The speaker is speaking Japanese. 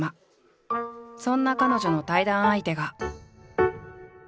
そんな彼女の対談相手が。